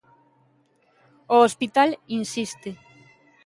O hospital insiste.